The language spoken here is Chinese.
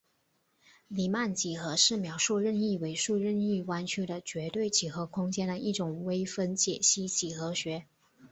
黎曼几何是描述任意维数任意弯曲的绝对几何空间的一种微分解析几何学。